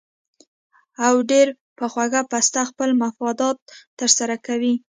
او ډېره پۀ خوږه پسته خپل مفادات تر سره کوي